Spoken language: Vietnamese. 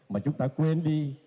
mà chúng ta quên đi